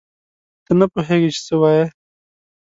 ته نه پوهېږې چې څه وایې.